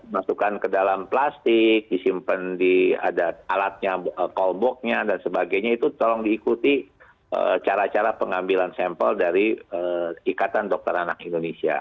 masukkan ke dalam plastik disimpan di ada alatnya callboardnya dan sebagainya itu tolong diikuti cara cara pengambilan sampel dari ikatan dokter anak indonesia